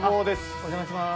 お邪魔します。